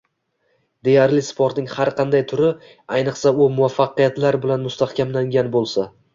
Deyarli sportning har qanday turi, ayniqsa u muvaffaqiyatlar bilan mustahkamlangan bo‘lsa